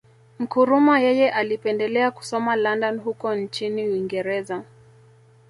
Nkrumah yeye alipendelea kusoma London huko nchini Uingereza